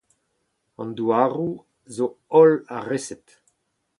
An douaroù zo holl a-resed.